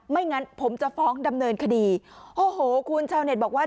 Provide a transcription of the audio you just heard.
งั้นผมจะฟ้องดำเนินคดีโอ้โหคุณชาวเน็ตบอกว่า